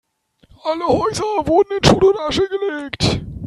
Alle Häuser wurden in Schutt und Asche gelegt.